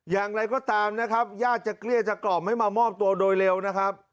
อย่างไรก็ตามนะครับญาติจะเกลี้ยกล่อมให้มามอบตัวโดยเร็วนะครับ